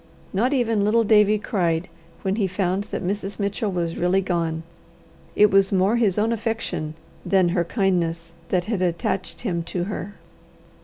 Not even little Davie cried when he found that Mrs. Mitchell was really gone. It was more his own affection than her kindness that had attached him to her.